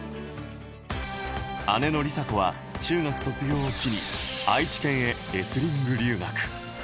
姉の梨紗子は中学卒業を機に愛知県へレスリング留学。